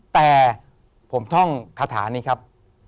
แต่ผมท่องคาถานี้ครับ